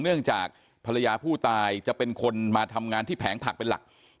เนื่องจากภรรยาผู้ตายจะเป็นคนมาทำงานที่แผงผักเป็นหลัก